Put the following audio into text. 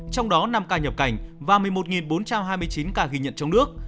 trong đó năm ca nhập cảnh và một mươi một bốn trăm hai mươi chín ca ghi nhận trong nước